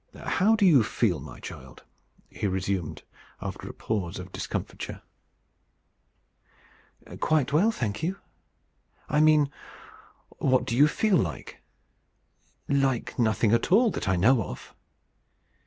"How do you feel, my child?" he resumed, after a pause of discomfiture. "Quite well, thank you." "I mean, what do you feel like?" "Like nothing at all, that I know of."